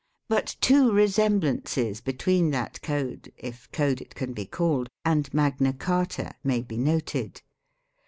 But two resemblances between that code, if code it can be called, and Magna Carta may be noted.